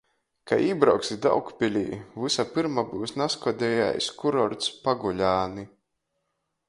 Kai ībrauksi Daugpilī, vysa pyrma byus nazkodejais kurorts Paguļāni.